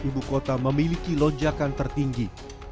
rorotan sudah memiliki lonjakan tertinggi